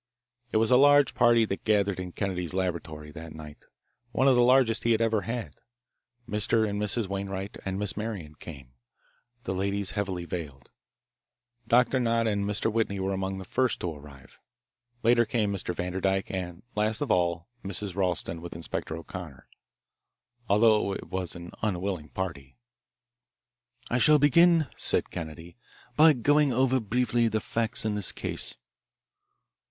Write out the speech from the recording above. It was a large party that gathered in Kennedy's laboratory that night, one of the largest he had ever had. Mr. and Mrs. Wainwright and Miss Marian came, the ladies heavily veiled. Doctor Nott and Mr. Whitney were among the first to arrive. Later came Mr. Vanderdyke and last of all Mrs. Ralston with Inspector O'Connor. Altogether it was an unwilling party. "I shall begin," said Kennedy, "by going over, briefly, the facts in this case."